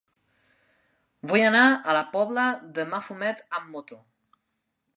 Vull anar a la Pobla de Mafumet amb moto.